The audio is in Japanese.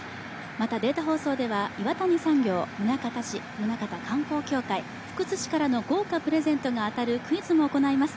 また、データ放送では岩谷産業、宗像市宗像観光協会福津市からの豪華プレゼントが当たるクイズも行います。